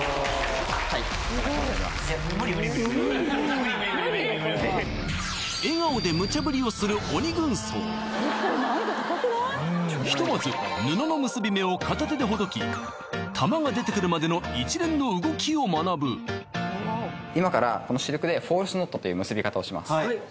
はい笑顔でムチャ振りをする鬼軍曹ひとまず布の結び目を片手でほどき玉が出てくるまでの一連の動きを学ぶ今からこのシルクでフォールスノットという結び方をします